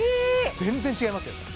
全然違いますよね